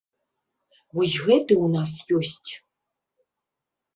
Вось гэты ў нас ёсць.